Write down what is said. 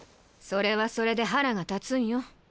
それはそれで腹が立つんよ。